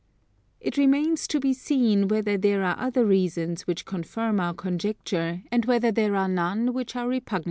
It remains to be seen whether there are other reasons which confirm our conjecture, and whether there are none which are repugnant to it.